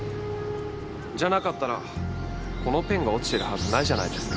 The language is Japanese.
じゃなかったらこのペンが落ちてるはずないじゃないですか。